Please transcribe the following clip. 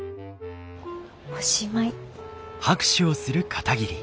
おしまい。